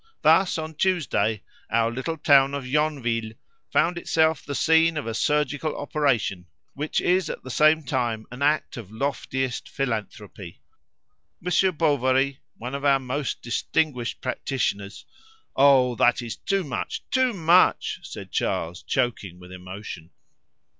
Thus on Tuesday our little town of Yonville found itself the scene of a surgical operation which is at the same time an act of loftiest philanthropy. Monsieur Bovary, one of our most distinguished practitioners '" "Oh, that is too much! too much!" said Charles, choking with emotion.